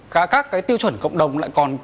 các tiêu chuẩn cộng đồng lại còn